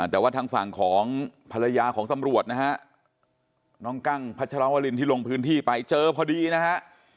แต่ว่าทางฝั่งของภรรยาของตำรวจนะฮะน้องกั้งพัชรวรินที่ลงพื้นที่ไปเจอพอดีนะฮะ